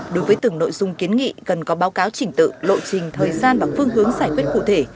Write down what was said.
đối với từng nội dung kiến nghị cần có báo cáo chỉnh tự lộ trình thời gian và phương hướng giải quyết cụ thể